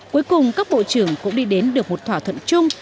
cuối cùng các bộ trưởng cũng đi đến được một thỏa thuận chung